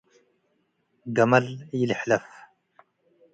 ገመል ኢልሕለፍ።